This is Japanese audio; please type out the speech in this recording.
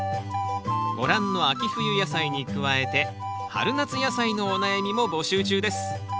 ご覧の秋冬野菜に加えて春夏野菜のお悩みも募集中です。